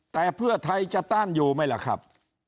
แต่เพื่อไทยจะต้านอยู่ไหมล่ะครับ